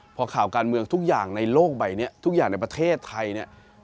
พอข่าวการเมืองทุกอย่างในโลกใบนี้ทุกอย่างในประเทศไทยเนี่ย